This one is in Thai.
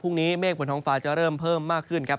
เมฆบนท้องฟ้าจะเริ่มเพิ่มมากขึ้นครับ